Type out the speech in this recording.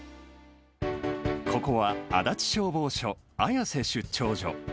ここは足立消防署綾瀬出張所。